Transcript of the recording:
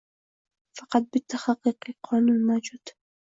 Faqat bitta haqiqiy qonun mavjud.